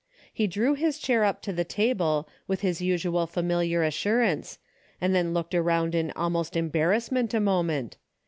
He dreAv his chair up to the table with his usual familiar assur ance, and then looked around in almost em barrassment a moment.